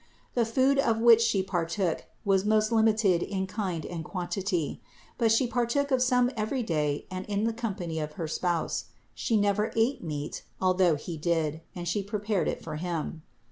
The food of which She partook, was most limited in kind and quantity; but She partook of some every day and in company of her spouse; she never ate meat, although he did, and She prepared it for him.